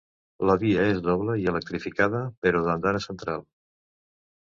La via és doble i electrificada, però d'andana central.